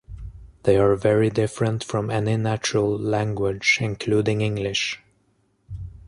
They are very different from any natural language, including English.